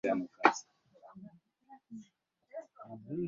Wanaisimujamii wanaamini kuwa utambulisho wa mtu unaweza kubainika anuai